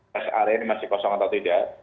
rest area ini masih kosong atau tidak